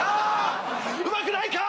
うまくないか！